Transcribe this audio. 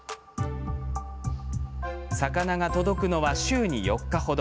魚が届くのは、週に４日程。